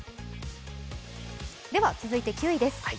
では続いて９位です。